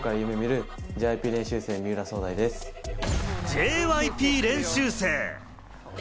ＪＹＰ練習生。